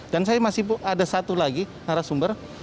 dan saya masih ada satu lagi narasumber